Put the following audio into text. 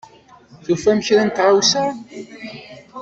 Tufam kra n tɣawsa?